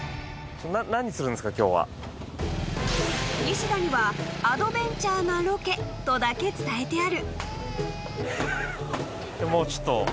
［ニシダには「アドベンチャーなロケ」とだけ伝えてある］